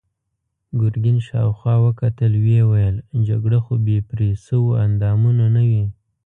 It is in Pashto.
ګرګين شاوخوا وکتل، ويې ويل: جګړه خو بې پرې شويوو اندامونو نه وي.